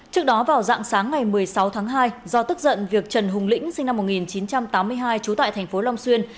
trước đó vào dạng sáng ngày một mươi sáu tháng hai do tức giận việc trần hùng lĩnh sinh năm một nghìn chín trăm tám mươi hai trú tại thành phố long xuyên